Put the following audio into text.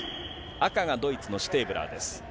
赤がドイツのシュテーブラーです。